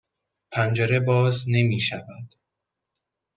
پنجره باز نمی شود.